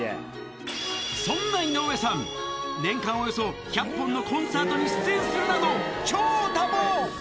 そんな井上さん、年間およそ１００本のコンサートに出演するなど、超多忙。